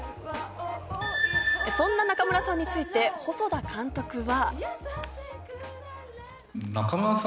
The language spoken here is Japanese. そんな中村さんについて細田監督は。